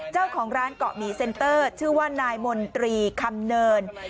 เจ้าของร้านเกาะหมีเซ็นเตอร์ชื่อว่านายมนตรีคำเนิน